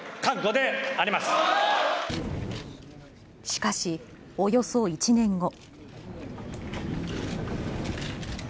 しかし、およそ１年後。